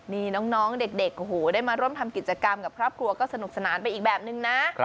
นี่น้องเด็กโอ้โหได้มาร่วมทำกิจกรรมกับครอบครัวก็สนุกสนานไปอีกแบบนึงนะ